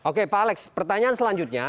oke pak alex pertanyaan selanjutnya